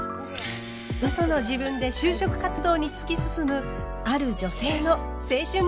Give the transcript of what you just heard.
嘘の自分で就職活動に突き進むある女性の青春物語。